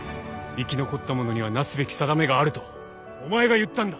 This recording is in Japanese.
生き残った者にはなすべき定めがあるとお前が言ったんだ。